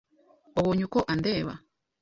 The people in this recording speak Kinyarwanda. Wabonye uko andeba?